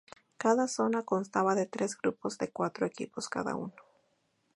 Cada zona constaba de tres grupos de cuatro equipos cada uno.